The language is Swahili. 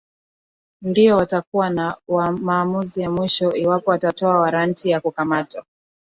ndio watakuwa na maamuzi ya mwisho iwapo atatoa waranti ya kukamatwa